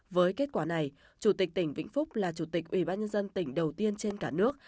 với kết quả này chủ tịch tỉnh vĩnh phúc là chủ tịch ubnd tỉnh đầu tiên trên cả nước